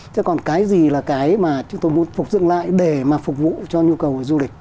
thế còn cái gì là cái mà chúng tôi muốn phục dựng lại để mà phục vụ cho nhu cầu du lịch